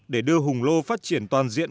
để đưa hùng lô phát triển toàn diện